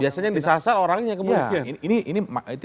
biasanya disasar orangnya kemudian